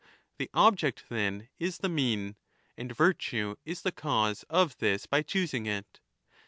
The object, then, is the mean, and virtue is the cause of this by choosing it.